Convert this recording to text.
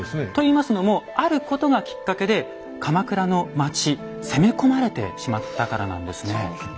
といいますのもあることがきっかけで鎌倉の町攻め込まれてしまったからなんですね。